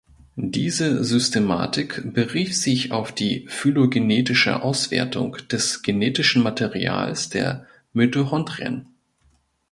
Diese Systematik berief sich auf die phylogenetische Auswertung des genetischen Materials der Mitochondrien.